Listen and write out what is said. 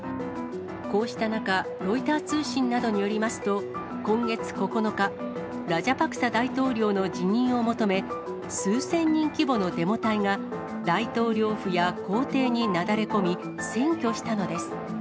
こうした中、ロイター通信などによりますと、今月９日、ラジャパクサ大統領の辞任を求め、数千人規模のデモ隊が、大統領府や公邸になだれ込み、占拠したのです。